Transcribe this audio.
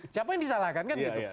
siapa yang disalahkan kan gitu